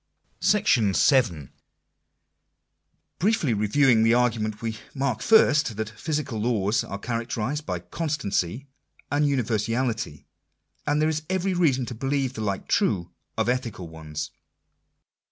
Briefly reviewing the argument, we mark first, that physical laws are characterized by constancy and universality, and that there is every reason to believe the like true of ethical ones.